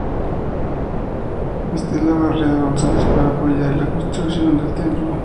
Estela Barreda González para apoyar en la construcción del Templo.